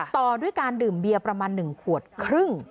ต่อด้วยการดื่มเบียประมาณ๑ขวดครึ่ง